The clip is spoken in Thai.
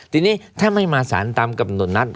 ทีนี้ถ้าไม่มาสารตามกับหนุนรัฐ